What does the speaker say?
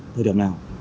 thời điểm nào